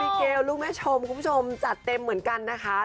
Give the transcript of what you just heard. เด็กแก้วลูกม่ายี่พูดคุณผู้ชมจัดเต็มเหมือนกันนะคะ